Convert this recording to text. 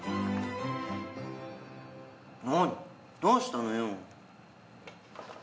どうしたのよ？